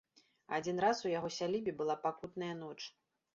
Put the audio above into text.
Адзін раз у яго сялібе была пакутная ноч.